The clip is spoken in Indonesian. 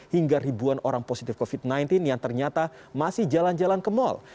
hingga ribuan orang positif covid sembilan belas yang ternyata masih jalan jalan ke mal